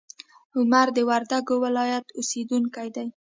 عمر د وردګو ولایت اوسیدونکی دی.